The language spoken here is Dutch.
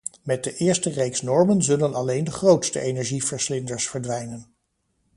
Met de eerste reeks normen zullen alleen de grootste energieverslinders verdwijnen.